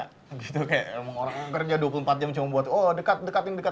kayak emang orang kerja dua puluh empat jam cuma buat dekat dekat